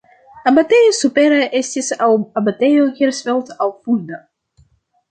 Abatejo supera estis aŭ Abatejo Hersfeld aŭ Fulda.